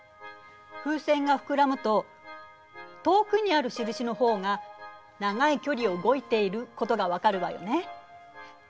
風船が膨らむと遠くにある印のほうが長い距離を動いていることが分かるわよね。